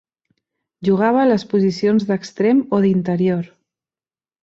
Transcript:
Jugava a les posicions d'extrem o d'interior.